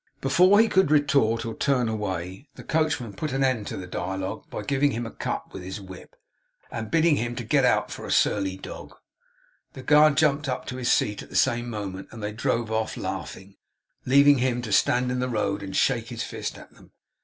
Before he could retort or turn away, the coachman put an end to the dialogue by giving him a cut with his whip, and bidding him get out for a surly dog. The guard jumped up to his seat at the same moment, and they drove off, laughing; leaving him to stand in the road and shake his fist at them.